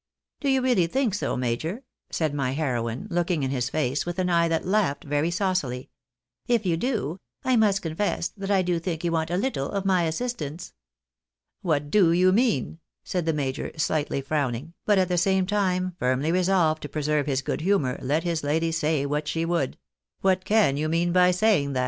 " Do you really think so, major ?" said my heroine, looking in his face, with an eye that laughed very saucily. " If you do, I must confess that I do think you want a little of my assistance." " What do you mean? " said the major, slightly frowning, but at the same time firmly resolved to preserve his good humour, let his lady say what she would ;" what can you mean by saying that